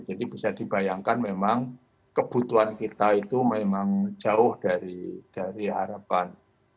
jadi bisa dibayangkan memang kebutuhan kita itu memang jauh dari harapan